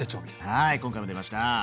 はい今回も出ました。